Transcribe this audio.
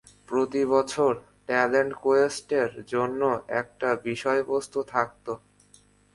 প্রতি বছর, ট্যালেন্ট কোয়েস্টের জন্য একটা বিষয়বস্তু থাকত।